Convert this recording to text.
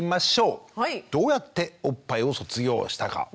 どうやっておっぱいを卒業したか？